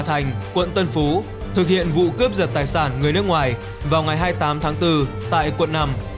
thành quận tân phú thực hiện vụ cướp giật tài sản người nước ngoài vào ngày hai mươi tám tháng bốn tại quận năm